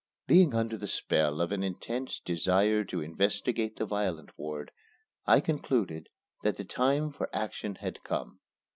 Being under the spell of an intense desire to investigate the violent ward, I concluded that the time for action had come.